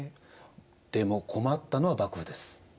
でも困ったのは幕府です。